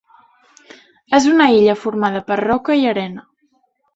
És una illa formada per roca i arena.